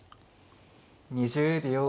２０秒。